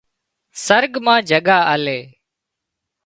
سرڳ مان جڳا آلي